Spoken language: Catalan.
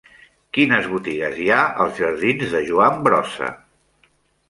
Quines botigues hi ha als jardins de Joan Brossa?